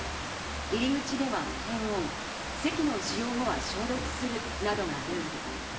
入り口では検温、席の使用後は消毒するなどがルール。